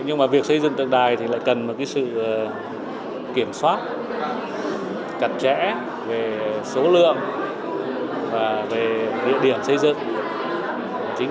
nhưng mà việc xây dựng tượng đài thì lại cần một cái sự kiểm soát cặt trẽ về số lượng và về địa điểm xây dựng